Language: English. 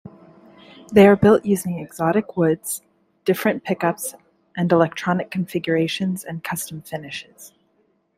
They are built using 'exotic' woods, different pickups and electronic configurations and custom finishes.